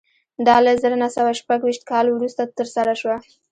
دا له زر نه سوه شپږ ویشت کال وروسته ترسره شوه